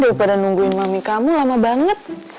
daripada nungguin mami kamu lama banget